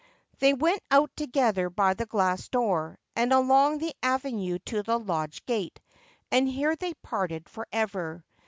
They went out together by the glass door, and along the avenue to the lodge gate, and here they parted for ever.